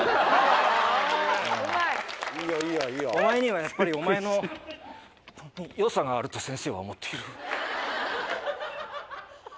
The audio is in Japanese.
お前にはやっぱりお前の良さがあると先生は思っている。